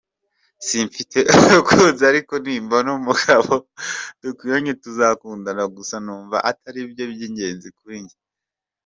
Simfite umukunzi ariko nimbona umugabo dukwiranye tuzakundana, gusa numva ataribyo by’ingenzi kuri njye".